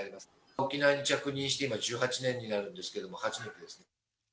沖縄に着任して今、１８年になるんですけど初めてですね。